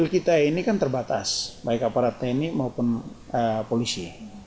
kita ini kan terbatas baik aparat tni maupun polisi